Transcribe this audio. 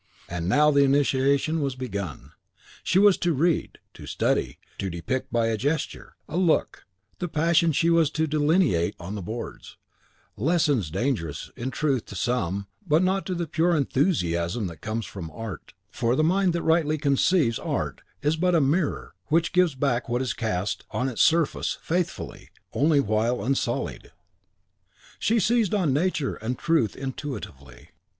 And now the initiation was begun. She was to read, to study, to depict by a gesture, a look, the passions she was to delineate on the boards; lessons dangerous, in truth, to some, but not to the pure enthusiasm that comes from art; for the mind that rightly conceives art is but a mirror which gives back what is cast on its surface faithfully only while unsullied. She seized on nature and truth intuitively.